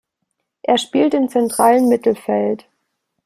Er spielt im zentralen Mittelfeld.